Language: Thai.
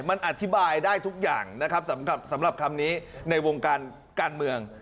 มันอธิบายได้ทุกอย่างนะครับสำหรับคำนี้ในวงการการเมือง